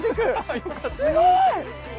すごい。